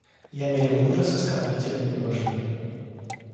Я мирил мужа с оскорбителем его жены.